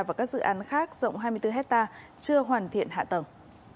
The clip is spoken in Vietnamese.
và các dự án khác rộng hai mươi bốn hectare chưa hoàn thiện hạ tầng